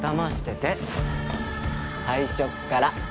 最初から。